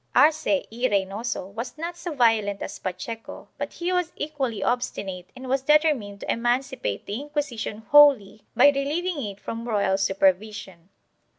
Arce y Reynoso was not so violent as Pacheco but he was equally obstinate and was determined to emancipate the Inquisition wholly by relieving it from royal supervision.